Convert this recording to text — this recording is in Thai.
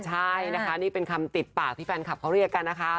ใช่นะคะนี่เป็นคำติดปากที่แฟนคลับเขาเรียกกันนะคะ